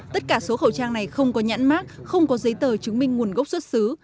tất cả số khẩu trang này không có nhãn mát không có giấy tờ chứng minh nguồn gốc xuất xứ